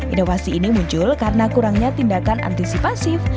inovasi ini muncul karena kurangnya tindakan antisipasif